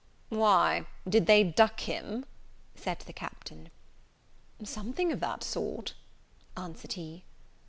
"Why, did they duck him?" said the Captain. "Something of that sort," answered he.